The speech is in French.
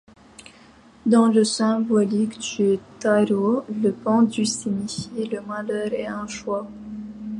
Dans la symbolique du tarot, le pendu signifie le malheur et un choix.